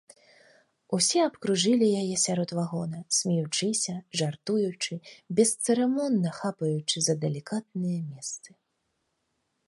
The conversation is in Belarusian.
Усе абкружылі яе сярод вагона, смеючыся, жартуючы, бесцырымонна хапаючы за далікатныя месцы.